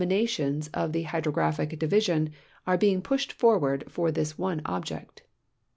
nations of the hydrogra])hic division are l)eing pushed forAA'ard for this one object.